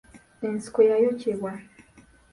Ensiko yayokyebwa.